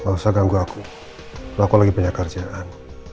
nggak usah ganggu aku aku lagi punya kerjaan